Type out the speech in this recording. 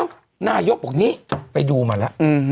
นายกบอกนี่ไปดูมาแล้ว